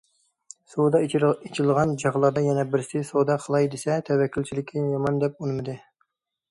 سودا ئېچىلغان چاغلاردا يەنە بىرسى سودا قىلاي دېسە تەۋەككۈلچىكى يامان دەپ ئۇنىمىدى.